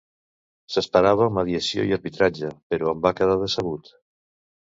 S'esperava mediació i arbitratge, però en va quedar decebut.